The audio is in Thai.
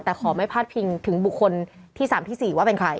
แต่ขอไม่พาดพิงถึงบุคคลที่๓ที่๔ว่าเป็นใคร